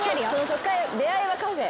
初回出会いはカフェ。